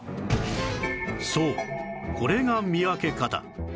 そうこれが見分け方